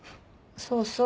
そうそう。